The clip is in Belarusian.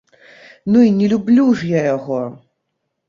Ну і не люблю ж я яго!